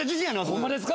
ホンマですか？